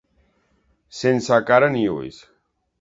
Sense cara ni ulls.